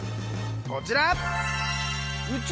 こちら！